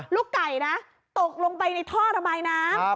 ลูกไก่นะตกลงไปในท่อระบายน้ำ